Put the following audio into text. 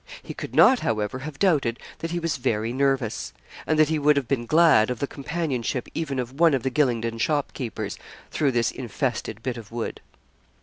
He could not, however, have doubted that he was very nervous and that he would have been glad of the companionship even of one of the Gylingden shopkeepers, through this infested bit of wood.